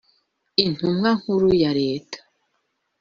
intumwa nkuru ya leta